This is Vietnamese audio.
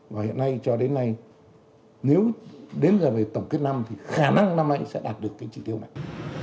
và hiện nay cho đến nay nếu đến giờ về tổng kết năm thì khả năng năm nay sẽ đạt được cái chỉ tiêu này